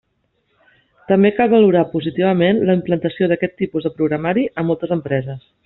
També cal valorar positivament la implantació d'aquest tipus de programari a moltes empreses.